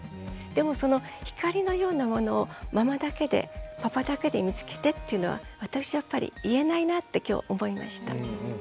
でもその光のようなものをママだけでパパだけで見つけてっていうのは私はやっぱり言えないなって今日思いました。